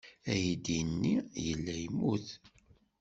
Aydi-nni yella yemmut.